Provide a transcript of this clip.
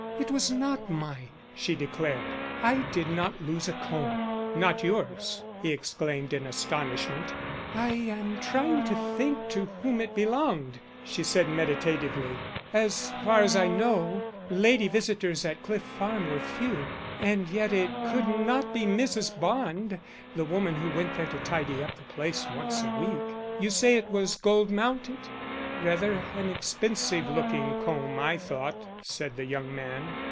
"It was not mine," she declared. "I did not lose a comb." "Not yours?" he exclaimed in astonishment. "I am trying to think to whom it belonged," she said meditatively. "As far as I know, lady visitors at Cliff Farm were few. And yet it could not be Mrs. Bond the woman who went there to tidy up the place once a week you say it was gold mounted?" "Rather an expensive looking comb, I thought," said the young man.